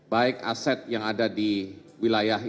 baik aset yang ada di wilayahnya